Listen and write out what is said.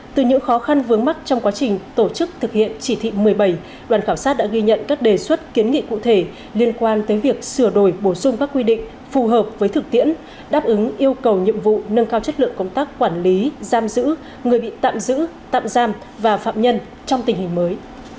từ những khó khăn vướng mắt trong quá trình tổ chức thực hiện chỉ thị một mươi bảy đoàn khảo sát đã ghi nhận các đề xuất kiến nghị cụ thể liên quan tới việc sửa đổi bổ sung các quy định phù hợp với thực tiễn đáp ứng yêu cầu nhiệm vụ nâng cao chất lượng công tác quản lý giam giữ người bị tạm giữ tạm giam và phạm nhân trong tình hình mới